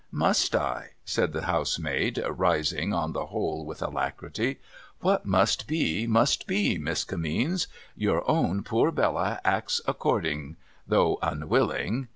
' Must I ?' said the housemaid, rising, on the whole with alacrity. ' What must be, must be. Miss Kinimeens. Your own poor Bella acts according, though unwilling.